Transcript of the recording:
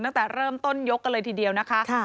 ตั้งแต่เริ่มต้นยกกันเลยทีเดียวนะคะ